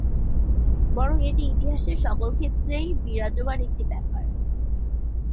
বরং এটি ইতিহাসের সকল ক্ষেত্রেই বিরাজমান একটি ব্যাপার।